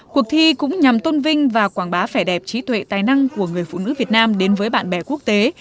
cuộc thi cũng nhằm tôn vinh và quảng bá vẻ đẹp trí tuệ tài năng của người phụ nữ việt nam đến với bạn bè quốc tế